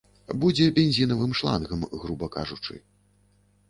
Будзе бензінавым шлангам, груба кажучы.